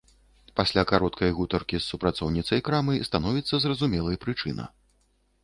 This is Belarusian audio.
Пасля кароткай гутаркі з супрацоўніцай крамы становіцца зразумелай прычына.